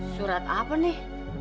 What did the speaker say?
surat apa nih